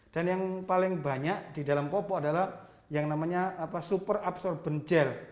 dan yang paling banyak di dalam popok adalah yang namanya super absorbent gel